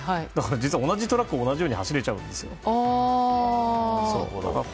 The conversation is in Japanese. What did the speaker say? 同じトラックを同じように走れちゃうんですよ。